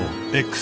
Ｘ！